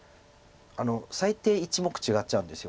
最低１目違っちゃうんです